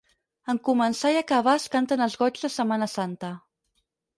En començar i acabar es canten els Goigs de Setmana santa.